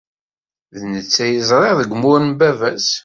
D netta ay ẓriɣ deg umur n baba-s.